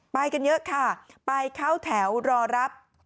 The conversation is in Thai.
ไปกันเยอะค่ะไปเข้าแถวรอรับ